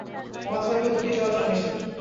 মহাসড়কে দুটোই চলাচল নিষেধ।